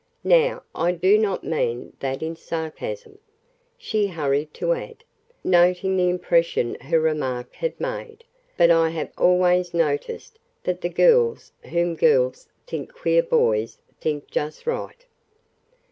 Now I do not mean that in sarcasm," she hurried to add, noting the impression her remark had made, "but I have always noticed that the girls whom girls think queer boys think just right."